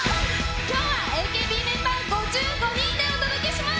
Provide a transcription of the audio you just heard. きょうは、ＡＫＢメンバー、５５人でお届けします。